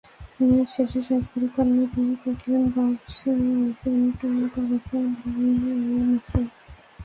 Match শেষে সাজঘরে কান্নায় ভেঙে পড়েছিলেন বার্সার আর্জেন্টাইন তারকা লিওনেল মেসি।